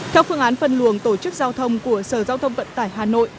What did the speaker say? theo phương án phân luồng tổ chức giao thông của sở giao thông vận tải hà nội